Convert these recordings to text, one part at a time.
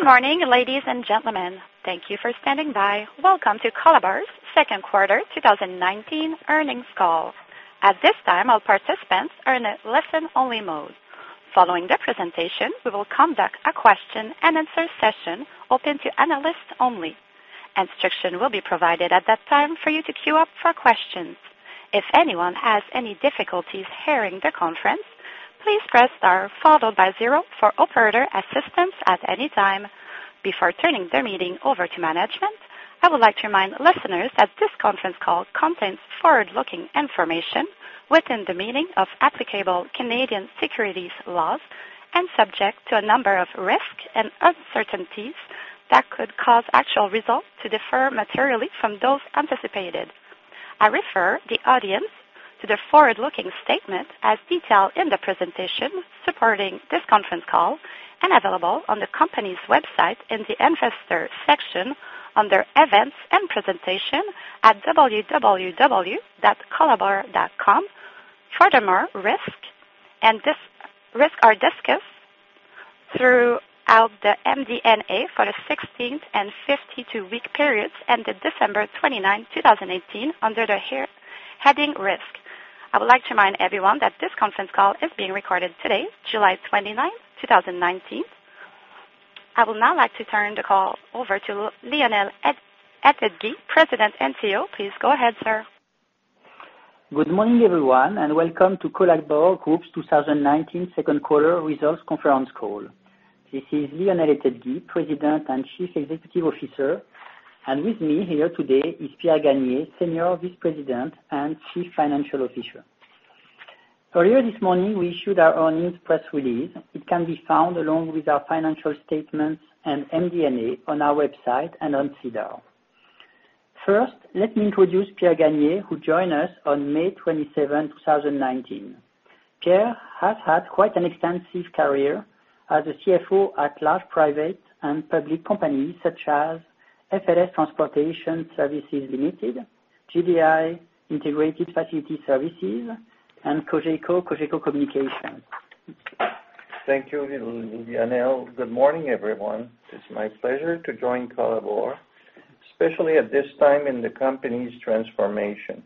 Good morning, ladies and gentlemen. Thank you for standing by. Welcome to Colabor's Second Quarter 2019 Earnings Call. At this time, all participants are in a listen-only mode. Following the presentation, we will conduct a question-and-answer session open to analysts only. Instruction will be provided at that time for you to queue up for questions. If anyone has any difficulties hearing the conference, please press star followed by zero for operator assistance at any time. Before turning the meeting over to management, I would like to remind listeners that this conference call contains forward-looking information within the meaning of applicable Canadian securities laws and subject to a number of risks and uncertainties that could cause actual results to differ materially from those anticipated. I refer the audience to the forward-looking statement as detailed in the presentation supporting this conference call and available on the company's website in the Investor section under Events and Presentation at www.colabor.com. Risks are discussed throughout the MD&A for the 16 and 52-week periods ended December 29th, 2018, under the heading Risk. I would like to remind everyone that this conference call is being recorded today, July 29th, 2019. I would now like to turn the call over to Lionel Ettedgui, President and CEO. Please go ahead, sir. Good morning, everyone, and welcome to Colabor Group's 2019 second quarter results conference call. This is Lionel Ettedgui, President and Chief Executive Officer, and with me here today is Pierre Gagné, Senior Vice President and Chief Financial Officer. Earlier this morning, we issued our earnings press release. It can be found along with our financial statements and MD&A on our website and on SEDAR. First, let me introduce Pierre Gagné, who joined us on May 27, 2019. Pierre has had quite an extensive career as a CFO at large private and public companies such as FLS Transportation Services Limited, GDI Integrated Facility Services, and Cogeco Communications. Thank you, Lionel. Good morning, everyone. It's my pleasure to join Colabor, especially at this time in the company's transformation.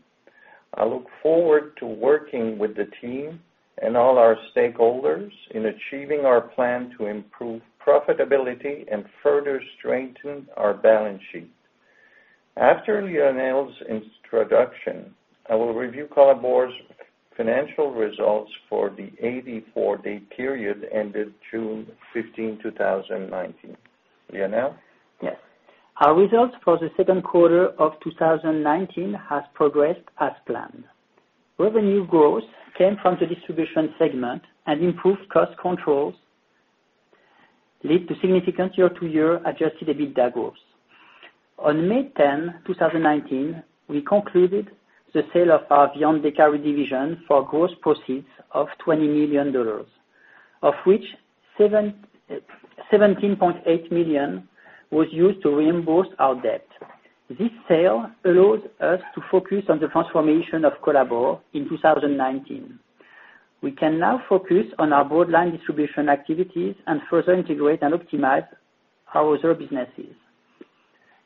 I look forward to working with the team and all our stakeholders in achieving our plan to improve profitability and further strengthen our balance sheet. After Lionel's introduction, I will review Colabor's financial results for the 84-day period ended June 15, 2019. Lionel? Yes. Our results for the second quarter of 2019 have progressed as planned. Revenue growth came from the distribution segment and improved cost controls lead to significant year-to-year adjusted EBITDA growth. On May 10, 2019, we concluded the sale of our Viandes Décarie division for gross proceeds of 20 million dollars, of which 17.8 million was used to reimburse our debt. This sale allows us to focus on the transformation of Colabor in 2019. We can now focus on our broad line distribution activities and further integrate and optimize our other businesses.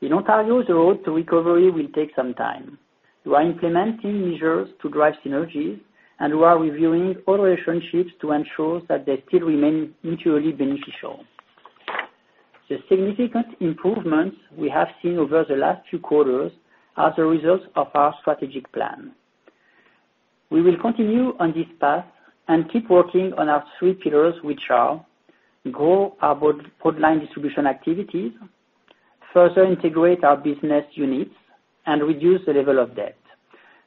In Ontario, the road to recovery will take some time. We are implementing measures to drive synergies, and we are reviewing all relationships to ensure that they still remain mutually beneficial. The significant improvements we have seen over the last few quarters are the results of our strategic plan. We will continue on this path and keep working on our three pillars, which are, grow our broad line distribution activities, further integrate our business units, and reduce the level of debt.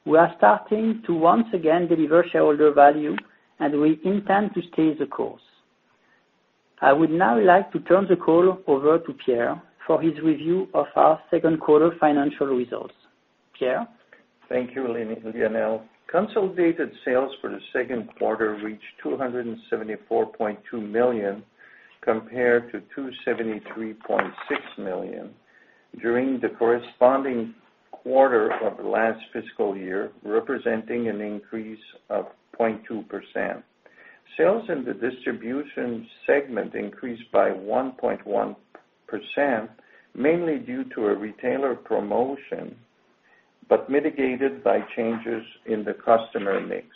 We are starting to once again deliver shareholder value, and we intend to stay the course. I would now like to turn the call over to Pierre for his review of our second quarter financial results. Pierre? Thank you, Lionel. Consolidated sales for the second quarter reached 274.2 million compared to 273.6 million during the corresponding quarter of last fiscal year, representing an increase of 0.2%. Sales in the distribution segment increased by 1.1%, mainly due to a retailer promotion, but mitigated by changes in the customer mix.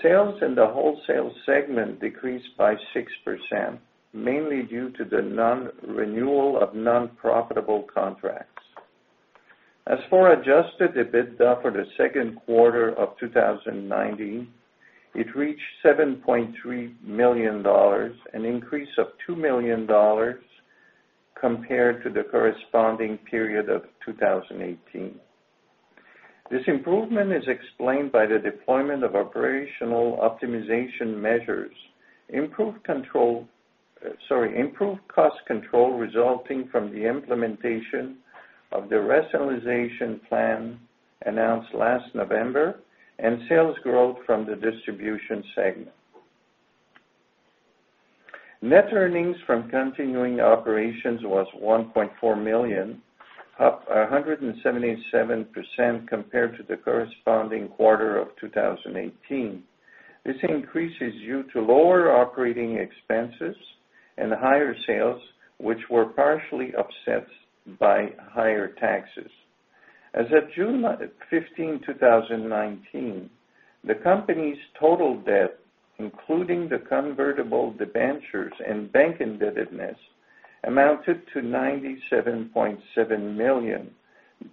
Sales in the wholesale segment decreased by 6%, mainly due to the non-renewal of non-profitable contracts. As for adjusted EBITDA for the second quarter of 2019, it reached 7.3 million dollars, an increase of 2 million dollars compared to the corresponding period of 2018. This improvement is explained by the deployment of operational optimization measures, improved cost control resulting from the implementation of the rationalization plan announced last November, and sales growth from the distribution segment. Net earnings from continuing operations was 1.4 million. Up 177% compared to the corresponding quarter of 2018. This increase is due to lower operating expenses and higher sales, which were partially offset by higher taxes. As of June 15, 2019, the company's total debt, including the convertible debentures and bank indebtedness, amounted to 97.7 million,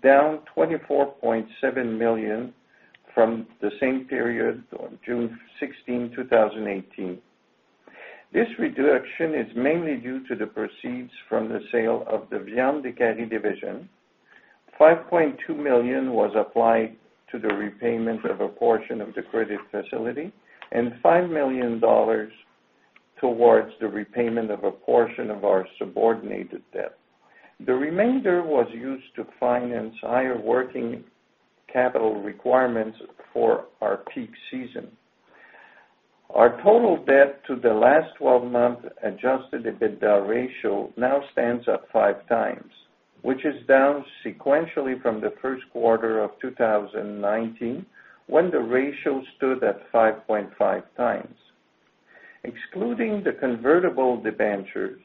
down 24.7 million from the same period on June 16, 2018. This reduction is mainly due to the proceeds from the sale of the Viandes Décarie division. 5.2 million was applied to the repayment of a portion of the credit facility, and 5 million dollars towards the repayment of a portion of our subordinated debt. The remainder was used to finance higher working capital requirements for our peak season. Our total debt to the last 12 months adjusted EBITDA ratio now stands at 5x, which is down sequentially from the first quarter of 2019, when the ratio stood at 5.5x. Excluding the convertible debentures,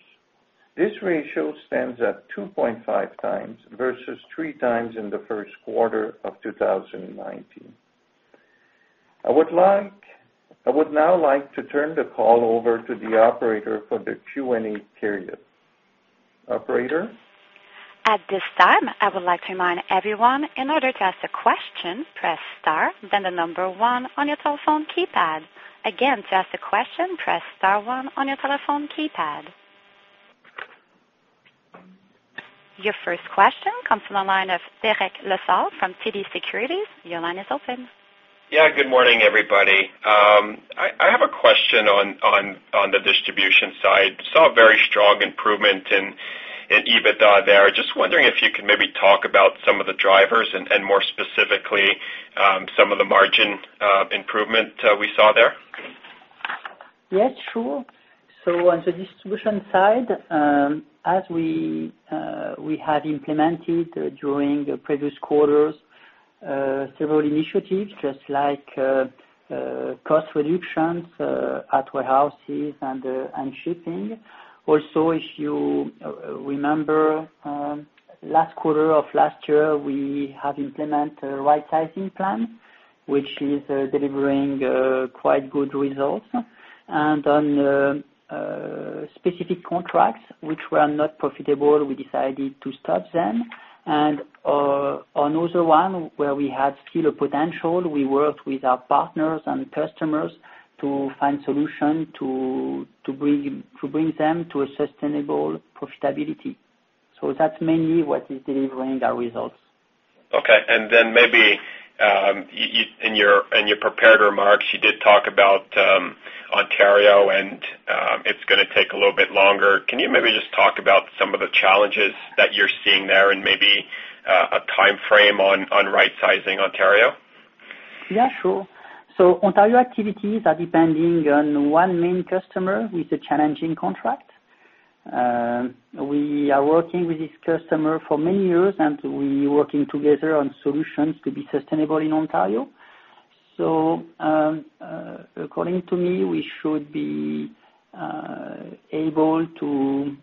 this ratio stands at 2.5x versus 3x in the first quarter of 2019. I would now like to turn the call over to the operator for the Q&A period. Operator? At this time, I would like to remind everyone, in order to ask a question, press star then the number one on your telephone keypad. Again, to ask a question, press star one on your telephone keypad. Your first question comes from the line of Derek Lessard from TD Securities. Your line is open. Yeah. Good morning, everybody. I have a question on the distribution side. Saw a very strong improvement in EBITDA there. Just wondering if you could maybe talk about some of the drivers and more specifically, some of the margin improvement we saw there? Yeah, sure. On the distribution side, as we had implemented during the previous quarters, several initiatives, just like cost reductions at warehouses and shipping. If you remember, last quarter of last year, we had implemented a right-sizing plan, which is delivering quite good results. On specific contracts which were not profitable, we decided to stop them. On other one where we had skill potential, we worked with our partners and customers to find solution to bring them to a sustainable profitability. That's mainly what is delivering our results. Okay, maybe, in your prepared remarks, you did talk about Ontario and it's going to take a little bit longer. Can you maybe just talk about some of the challenges that you're seeing there and maybe a timeframe on right-sizing Ontario? Yeah, sure. Ontario activities are depending on one main customer with a challenging contract. We are working with this customer for many years, and we working together on solutions to be sustainable in Ontario. According to me, we should be able to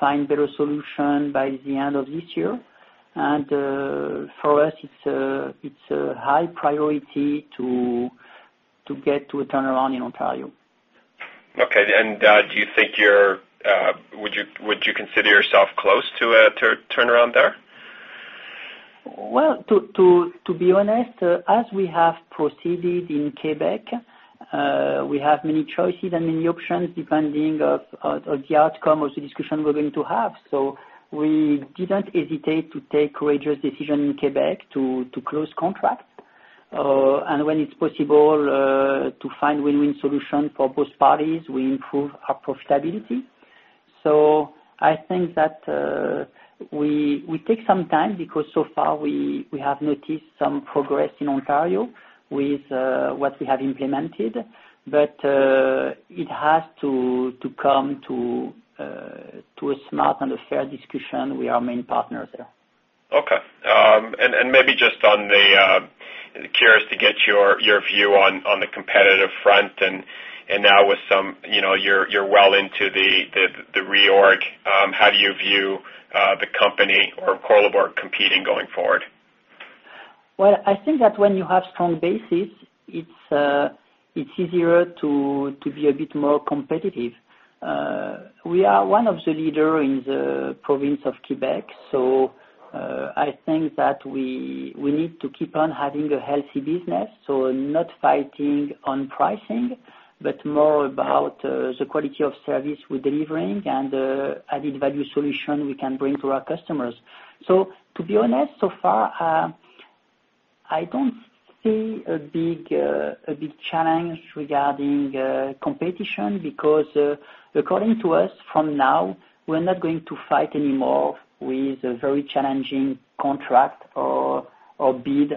find better solution by the end of this year. For us, it's a high priority to get to a turnaround in Ontario. Okay, would you consider yourself close to a turnaround there? To be honest, as we have proceeded in Quebec, we have many choices and many options depending on the outcome of the discussion we're going to have. We didn't hesitate to take courageous decisions in Quebec to close contracts. When it's possible to find win-win solutions for both parties, we improve our profitability. I think that we take some time because so far we have noticed some progress in Ontario with what we have implemented. It has to come to a smart and a fair discussion with our main partners there. Okay. Maybe just curious to get your view on the competitive front and now you're well into the reorg. How do you view the company or Colabor competing going forward? I think that when you have strong bases, it's easier to be a bit more competitive. We are one of the leaders in the province of Quebec, I think that we need to keep on having a healthy business. Not fighting on pricing, but more about the quality of service we're delivering and added value solutions we can bring to our customers. To be honest, so far, I don't see a big challenge regarding competition because, according to us, from now we're not going to fight anymore with a very challenging contract or bid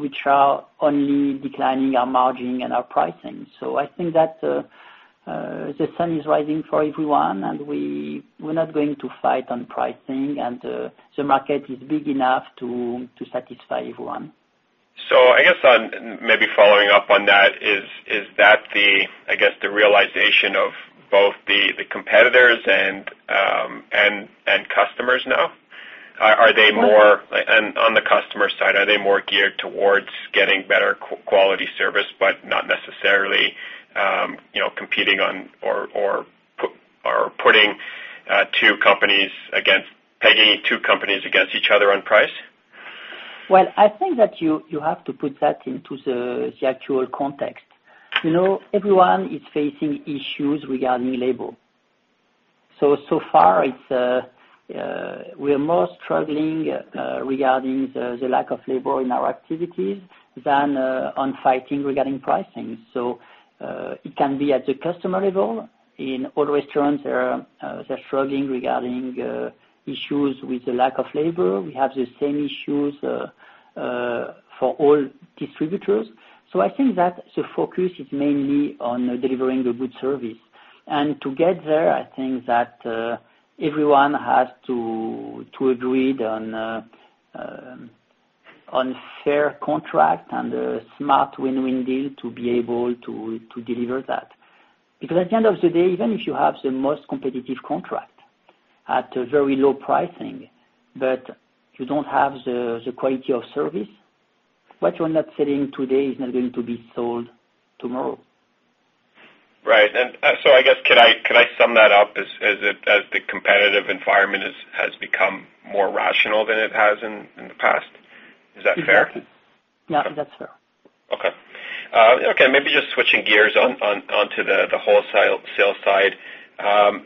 which is only declining our margin and our pricing. I think that the sun is rising for everyone, and we're not going to fight on pricing, and the market is big enough to satisfy everyone. I guess maybe following up on that, is that the realization of both the competitors and customers now? On the customer side, are they more geared towards getting better quality service, but not necessarily competing or putting two companies against pegging two companies against each other on price? Well, I think that you have to put that into the actual context. Everyone is facing issues regarding labor. So far we're more struggling regarding the lack of labor in our activities than on fighting regarding pricing. It can be at the customer level. In all restaurants, they're struggling regarding issues with the lack of labor. We have the same issues for all distributors. I think that the focus is mainly on delivering a good service. To get there, I think that everyone has to agree on fair contract and a smart win-win deal to be able to deliver that. Because at the end of the day, even if you have the most competitive contract at a very low pricing, but you don't have the quality of service, what you're not selling today is not going to be sold tomorrow. Right. I guess could I sum that up as the competitive environment has become more rational than it has in the past? Is that fair? Exactly. Yeah, that's fair. Okay. Maybe just switching gears onto the wholesale sales side.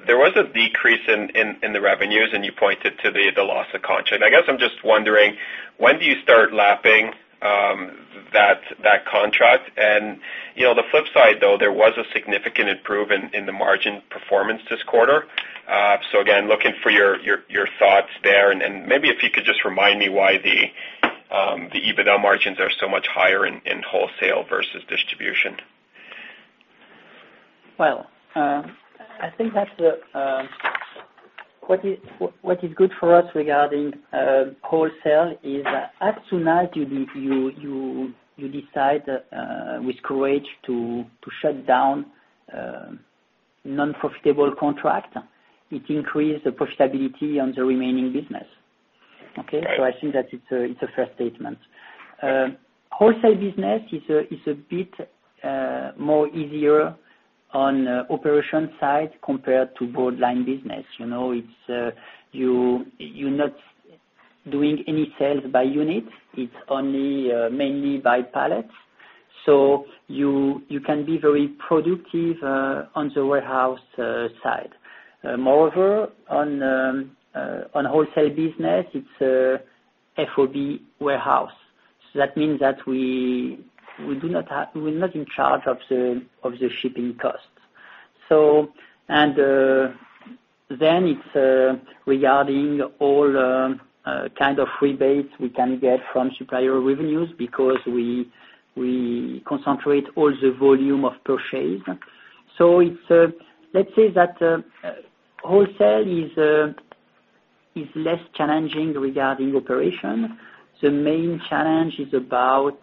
There was a decrease in the revenues, and you pointed to the loss of contract. I guess I'm just wondering, when do you start lapping that contract? The flip side, though, there was a significant improvement in the margin performance this quarter. Again, looking for your thoughts there, and maybe if you could just remind me why the EBITDA margins are so much higher in wholesale versus distribution. Well, I think that what is good for us regarding wholesale is as soon as you decide with courage to shut down non-profitable contract, it increase the profitability on the remaining business. Okay? I think that it's a fair statement. Wholesale business is a bit more easier on operation side compared to broad line business. You're not doing any sales by unit, it's only mainly by pallet. You can be very productive on the warehouse side. Moreover, on wholesale business, it's FOB warehouse. That means that we're not in charge of the shipping cost. It's regarding all kind of rebates we can get from supplier revenues because we concentrate all the volume of purchase. Let's say that wholesale is less challenging regarding operation. The main challenge is about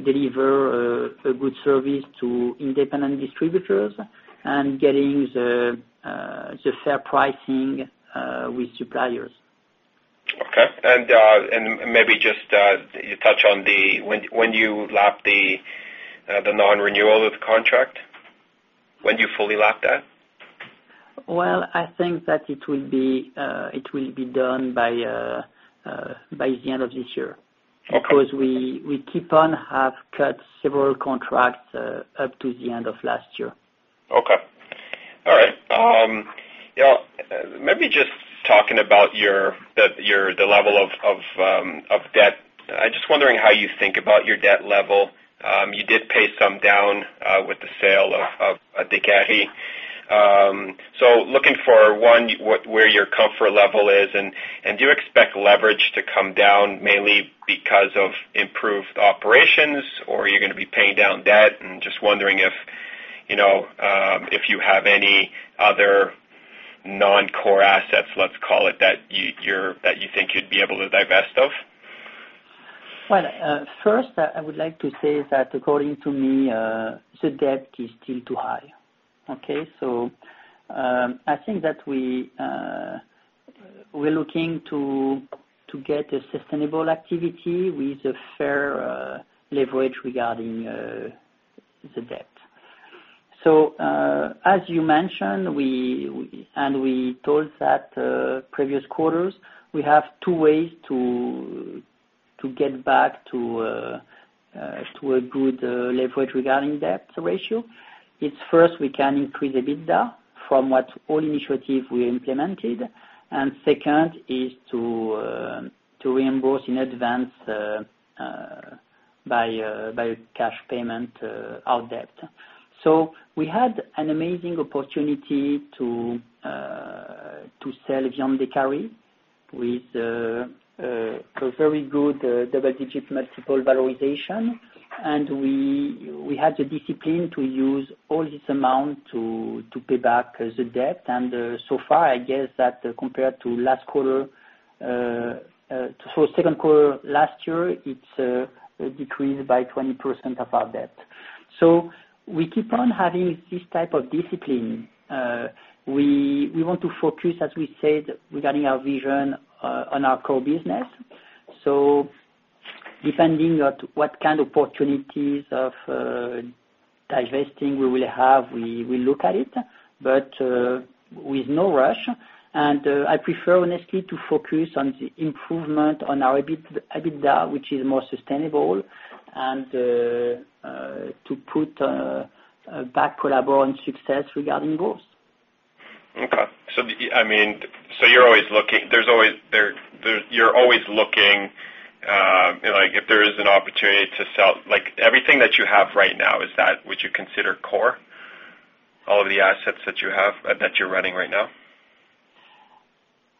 deliver a good service to independent distributors and getting the fair pricing with suppliers. Okay. Maybe just touch on the, when do you lap the non-renewal of the contract? When do you fully lap that? Well, I think that it will be done by the end of this year. Okay. Of course, we keep on have cut several contracts up to the end of last year. Okay. All right. Maybe just talking about the level of debt. I'm just wondering how you think about your debt level. You did pay some down with the sale of Décarie. Looking for one, where your comfort level is, and do you expect leverage to come down mainly because of improved operations, or are you gonna be paying down debt? I'm just wondering if you have any other non-core assets, let's call it, that you think you'd be able to divest of? Well, first, I would like to say that according to me, the debt is still too high. Okay? I think that we're looking to get a sustainable activity with a fair leverage regarding the debt. As you mentioned, and we told that previous quarters, we have two ways to get back to a good leverage regarding debt ratio. It's first, we can increase EBITDA from what all initiative we implemented, and second is to reimburse in advance by cash payment our debt. We had an amazing opportunity to sell Viandes Décarie with a very good double-digit multiple valorization. We had the discipline to use all this amount to pay back the debt. I guess that compared to second quarter last year, it's decreased by 20% of our debt. We keep on having this type of discipline. We want to focus, as we said, regarding our vision, on our core business. Depending on what kind of opportunities of divesting we will have, we'll look at it, but with no rush. I prefer honestly to focus on the improvement on our EBITDA, which is more sustainable, and to put back Colabor on success regarding growth. Okay. You're always looking If there is an opportunity to sell, everything that you have right now, is that what you consider core? All of the assets that you have, that you're running right now?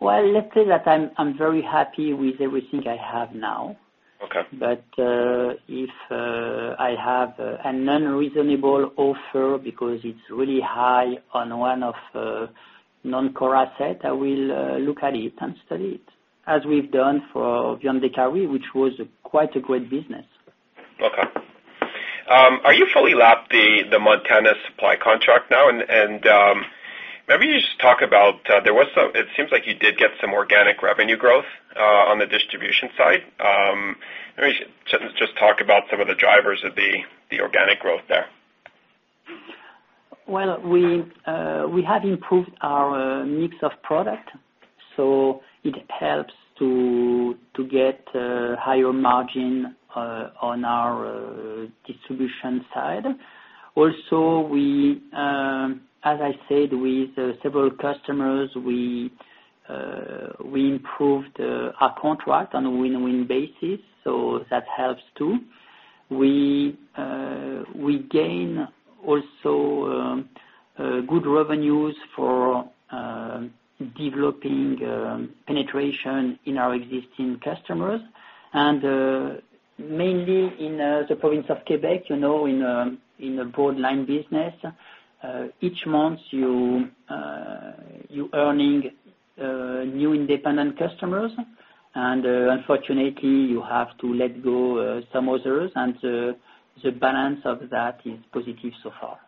Well, let's say that I'm very happy with everything I have now. Okay. If I have an unreasonable offer because it's really high on one of non-core asset, I will look at it and study it, as we've done for Viandes Décarie, which was quite a great business. Okay. Are you fully lapped the Montana supply contract now? Maybe you just talk about, it seems like you did get some organic revenue growth on the distribution side. Maybe just talk about some of the drivers of the organic growth there. Well, we have improved our mix of product, so it helps to get a higher margin on our distribution side. Also, as I said, with several customers, we improved our contract on a win-win basis, so that helps, too. We gain also good revenues for developing penetration in our existing customers. Mainly in the province of Quebec, in a broad line business, each month you're earning new independent customers, and unfortunately, you have to let go some others, and the balance of that is positive so far.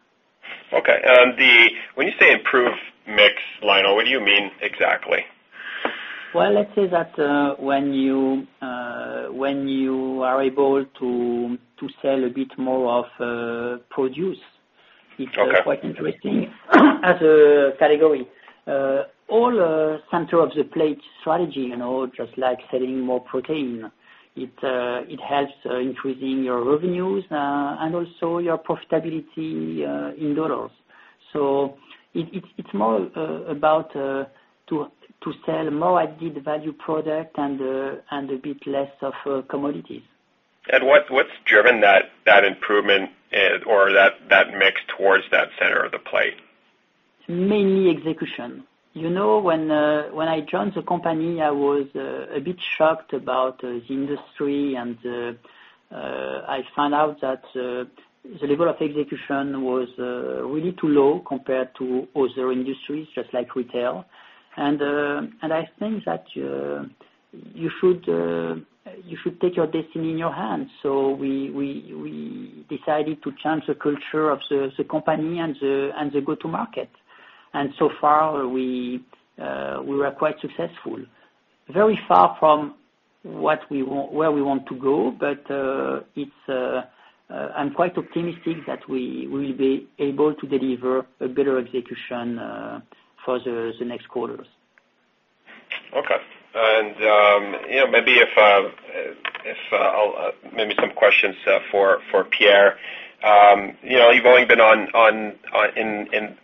Okay. When you say improve mix, Lionel, what do you mean exactly? Well, let's say that when you are able to sell a bit more of produce- Okay it's quite interesting as a category. All center of the plate strategy, just like selling more protein, it helps increasing your revenues, and also your profitability in dollars. It's more about to sell more added value product and a bit less of commodities. What's driven that improvement or that mix towards that center of the plate? Mainly execution. When I joined the company, I was a bit shocked about the industry, and I found out that the level of execution was really too low compared to other industries, just like retail. I think that you should take your destiny in your hands. We decided to change the culture of the company and the go-to-market. So far we were quite successful. Very far from where we want to go, but I'm quite optimistic that we will be able to deliver a better execution for the next quarters. Okay. Maybe some questions for Pierre. You've only been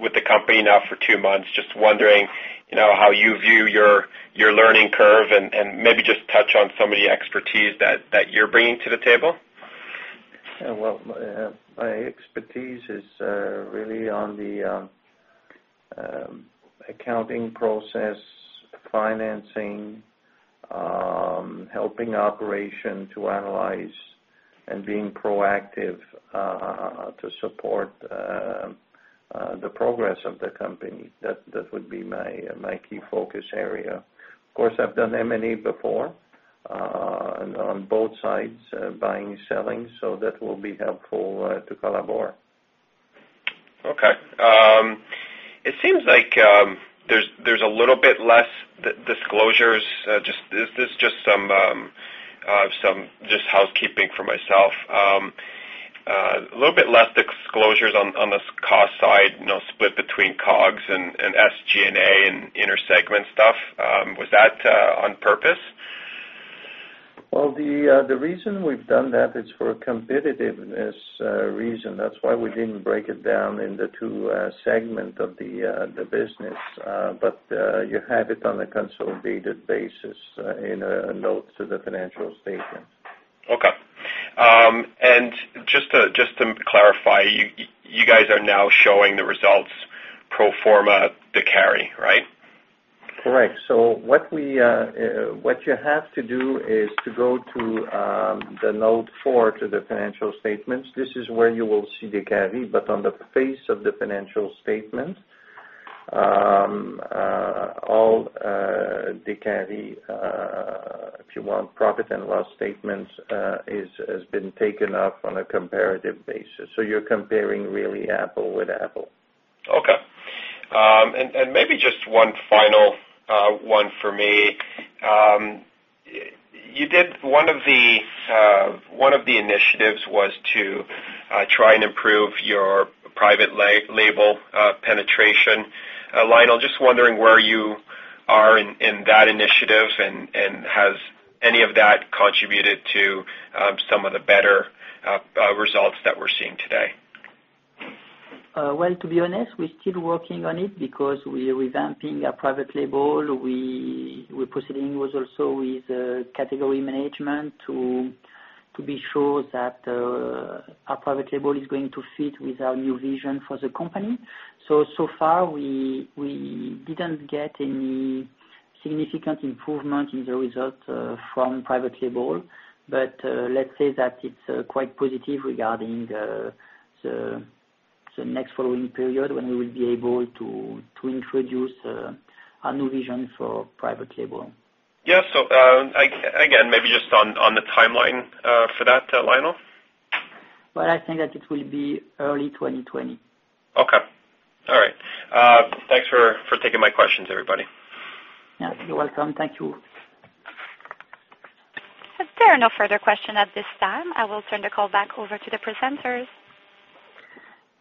with the company now for two months, just wondering how you view your learning curve and maybe just touch on some of the expertise that you're bringing to the table. Well, my expertise is really on the accounting process, financing, helping operation to analyze and being proactive to support the progress of the company. That would be my key focus area. Of course, I've done M&A before, and on both sides, buying and selling, so that will be helpful to Colabor. Okay. It seems like there's a little bit less disclosures. This is just some housekeeping for myself. A little bit less disclosures on the cost side, split between COGS and SG&A and inter-segment stuff. Was that on purpose? The reason we've done that is for a competitiveness reason. That's why we didn't break it down in the two segments of the business. You have it on a consolidated basis in a note to the financial statement. Okay. Just to clarify, you guys are now showing the results pro forma Décarie, right? Correct. What you have to do is to go to the note four to the financial statements. This is where you will see Décarie, but on the face of the financial statements, all Décarie, if you want profit and loss statements, has been taken up on a comparative basis. You're comparing really apple with apple. Okay. Maybe just one final one for me. One of the initiatives was to try and improve your private label penetration. Lionel, just wondering where you are in that initiative and has any of that contributed to some of the better results that we're seeing today? Well, to be honest, we're still working on it because we're revamping our private label. We're proceeding also with category management to be sure that our private label is going to fit with our new vision for the company. So far we didn't get any significant improvement in the result from private label. Let's say that it's quite positive regarding the next following period when we will be able to introduce a new vision for private label. Yeah. again, maybe just on the timeline for that, Lionel. Well, I think that it will be early 2020. Okay. All right. Thanks for taking my questions, everybody. Yeah. You're welcome. Thank you. There are no further question at this time. I will turn the call back over to the presenters.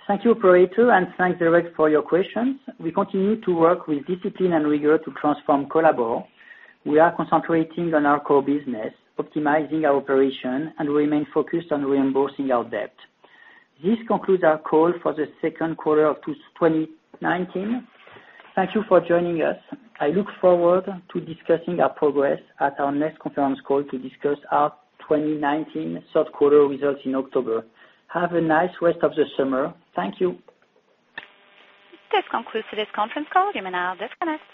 Thank you, operator, and thanks, Derek, for your questions. We continue to work with discipline and rigor to transform Colabor. We are concentrating on our core business, optimizing our operation, and remain focused on reimbursing our debt. This concludes our call for the second quarter of 2019. Thank you for joining us. I look forward to discussing our progress at our next conference call to discuss our 2019 third quarter results in October. Have a nice rest of the summer. Thank you. This concludes today's conference call. You may now disconnect.